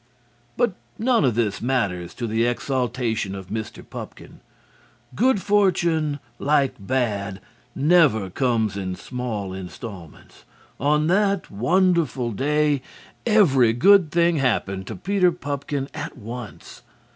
But none of this matters to the exaltation of Mr. Pupkin. Good fortune, like bad, never comes in small instalments. On that wonderful day, every good thing happened to Peter Pupkin at once.